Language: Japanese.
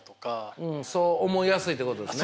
うんそう思いやすいってことですね。